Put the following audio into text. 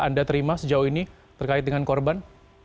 anda terima sejauh ini terkait dengan korban